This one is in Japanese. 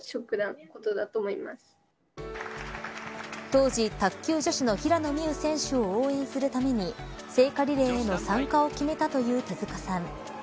当時、卓球女子の平野美宇選手を応援するために聖火リレーへの参加を決めたという手塚さん。